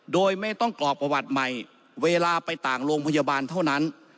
โดยไม่ต้องกรอกประวัติใหม่เวลาไปต่างโรงพยาบาลเท่านั้น